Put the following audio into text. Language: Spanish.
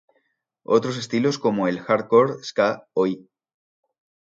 Otros estilos como el "hardcore", "ska", "Oi!